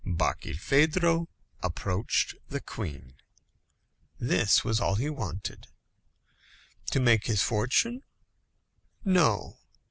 Barkilphedro approached the queen. This was all he wanted. To make his fortune? No.